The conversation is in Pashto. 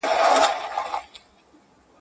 یوه ورځ یې بحث پر خوی او پر عادت سو!